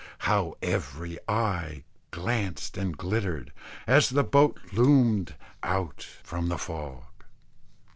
how every eye glanced and glittered, as that boat loomed out from the fog.